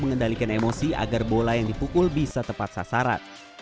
mengendalikan emosi agar bola yang dipukul bisa tepat sasaran